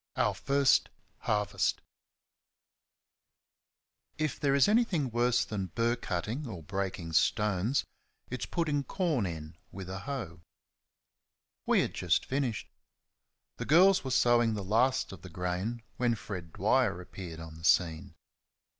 Our First Harvest If there is anything worse than burr cutting or breaking stones, it's putting corn in with a hoe. We had just finished. The girls were sowing the last of the grain when Fred Dwyer appeared on the scene.